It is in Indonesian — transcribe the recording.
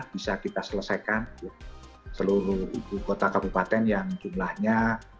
bisa kita selesaikan seluruh kota kabupaten yang jumlahnya empat ratus lima puluh sembilan